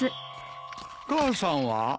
母さんは？